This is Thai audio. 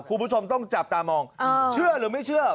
คุณผู้ชมต้องจับตามองเชื่อหรือไม่เชื่อ